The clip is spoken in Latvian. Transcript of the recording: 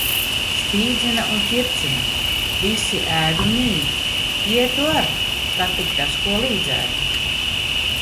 Spīdzina un ķircina, visi ēd un nīd. Ietu ar, kad tik tas ko līdzētu.